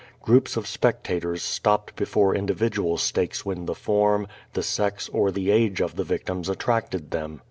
Groups of spectators stopped before individual stakes when the form, the sex, or the age of the victims attracted them.